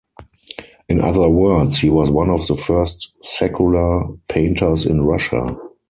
In other words, he was one of the first secular painters in Russia.